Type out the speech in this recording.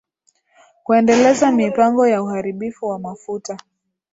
Kuendeleza mipango ya uharibifu wa mafuta